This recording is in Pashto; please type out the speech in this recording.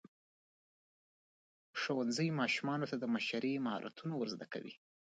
ښوونځی ماشومانو ته د مشرۍ مهارتونه ورزده کوي.